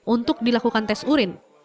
untuk dilakukan tes urin